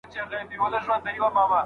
ملکیار یوه خیالي نړۍ جوړه کړې ده.